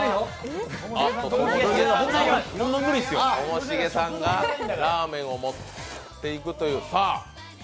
ともしげさんがラーメンを持っていくという。